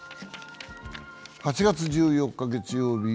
８月１４日、月曜日。